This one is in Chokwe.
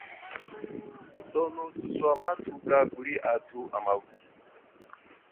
Musono thuswa mathuka kuli athu amavungo.